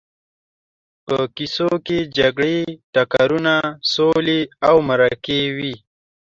په کیسو کې جګړې، ټکرونه، سولې او مرکې وي.